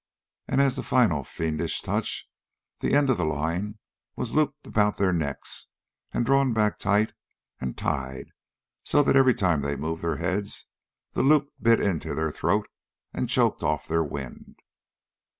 And as the final fiendish touch the end of the line was looped about their necks, and drawn back tight and tied so that every time they moved their heads the loop bit into their throats and choked off their wind.